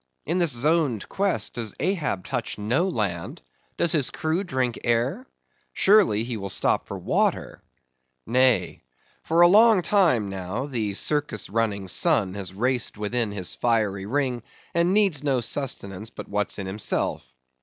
in this zoned quest, does Ahab touch no land? does his crew drink air? Surely, he will stop for water. Nay. For a long time, now, the circus running sun has raced within his fiery ring, and needs no sustenance but what's in himself.